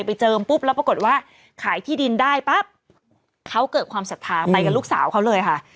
เจิมปุ๊บแล้วปรากฏว่าขายที่ดินได้ปั๊บเขาเกิดความศรัทธาไปกับลูกสาวเขาเลยค่ะ